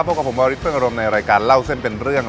พบกับผมวาริสเฟิงอารมณ์ในรายการเล่าเส้นเป็นเรื่อง